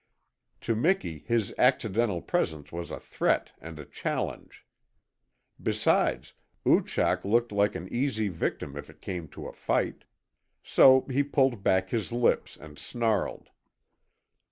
To Miki his accidental presence was a threat and a challenge. Besides, Oochak looked like an easy victim if it came to a fight. So he pulled back his lips and snarled.